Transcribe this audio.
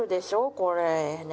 これね。